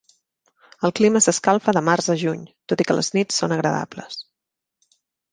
El clima s'escalfa de març a juny, tot i que les nits són agradables.